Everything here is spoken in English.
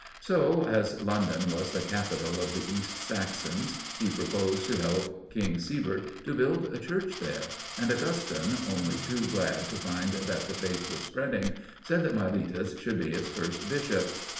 So, as London was the Capital of the East Saxons, he proposed to help King Siebert to build a church there; and Augustine, only too glad to find that the Faith was spreading, said that Milletus should be its first Bishop.